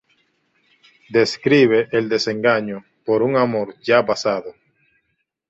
Describe el desengaño por un amor ya pasado.